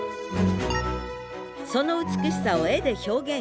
その美しさを「絵」で表現したい！